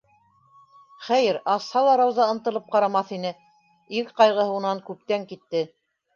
Хәйер, асһа ла Рауза ынтылып ҡарамаҫ ине - ир ҡайғыһы унан күптән китте.